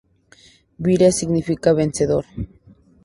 Vira significa vencedor.